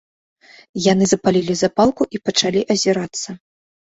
Яны запалілі запалку і пачалі азірацца.